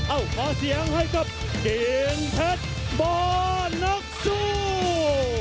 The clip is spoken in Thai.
เอาขอเสียงให้กับกิ่งเพชรบ้านักสู้